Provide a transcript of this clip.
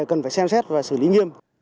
cần phải xem xét và xử lý nghiêm